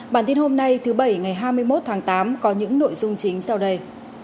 bản tin hôm nay thứ bảy ngày hai mươi một tháng tám có những nội dung chính sau đây